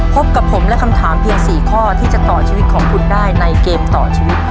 พบกับผมและคำถามเพียง๔ข้อที่จะต่อชีวิตของคุณได้ในเกมต่อชีวิต